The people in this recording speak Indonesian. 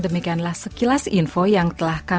dan juga memandang wajahnya